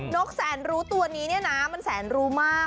นกแสนรู้ตัวนี้เนี่ยนะมันแสนรู้มาก